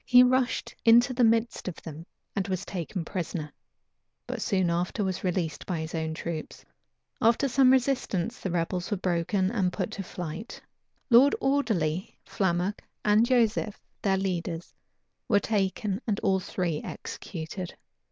He rushed into the midst of them, and was taken prisoner; but soon after was released by his own troops. After some resistance, the rebels were broken and put to flight.[*] * Polyd. Virg. p. 601. Lord Audley, Flammoc, and Joseph, their leaders, were taken, and all three executed.